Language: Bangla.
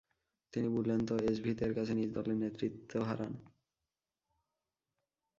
তিনি বুলেন্ত এজেভিতের কাছে নিজ দলের নেতৃত্ব হারান।